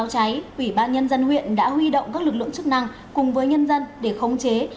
trong lúc đám cháy quỹ ban nhân dân huyện đã huy động các lực lượng chức năng cùng với nhân dân để khống chế